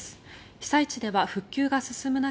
被災地では復旧が進む中